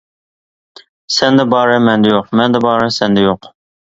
سەندە بارى مەندە يوق، مەندە بارى سەندە يوق.